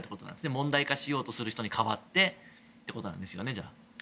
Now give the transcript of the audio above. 問題化しようとする人に変わってということなんですね。